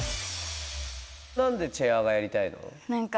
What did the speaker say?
なんでチェアーがやりたいの？